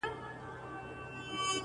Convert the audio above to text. • خامکي غاړه نه لرم نوې خولۍ نه لرم -